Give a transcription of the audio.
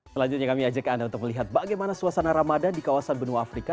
selanjutnya kami ajak anda untuk melihat bagaimana suasana ramadan di kawasan benua afrika